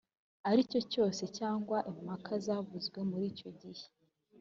aricyo cyose cyangwa impaka zavuzwe muri icyo gihe